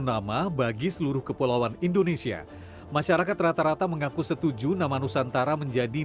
nama bagi seluruh kepulauan indonesia masyarakat rata rata mengaku setuju nama nusantara menjadi